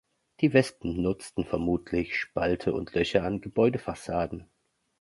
Die Wespen nutzen vermutlich Spalte und Löcher an Gebäudefassaden.